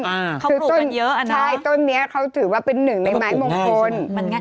คือต้นเยอะใช่ต้นนี้เขาถือว่าเป็นหนึ่งในไม้มงคล